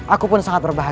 aku pun sangat berharga